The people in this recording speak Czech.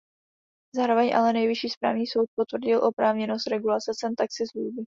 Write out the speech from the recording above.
Zároveň ale Nejvyšší správní soud potvrdil oprávněnost regulace cen taxislužby.